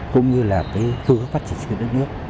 cũng như là cái cơ hội phát triển trên đất nước